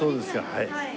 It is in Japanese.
はい。